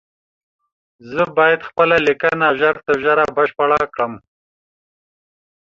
زه بايد خپله ليکنه ژر تر ژره بشپړه کړم